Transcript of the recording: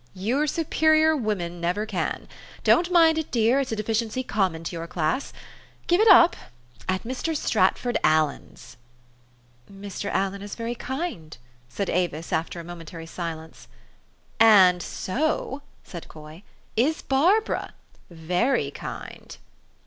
"Your superior women never can. Don't mind it, dear: it's a deficiency common to your class. Give it up? At Mr. Stratford Allen's." " Mr. Allen is very kind," said Avis, after a momentary silence. " And so," said Co} T ," is Barbara, very kind."